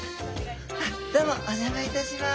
どうもお邪魔いたします。